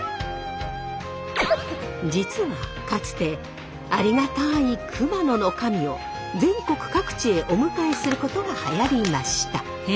実はかつてありがたい熊野の神を全国各地へお迎えすることがはやりました。